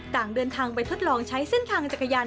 ต่างเดินทางไปทดลองใช้เส้นทางจักรยาน